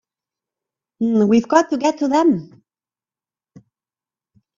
We've got to get to them!